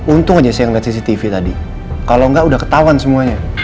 untung aja saya ngeliat cctv tadi kalau nggak udah ketauan semuanya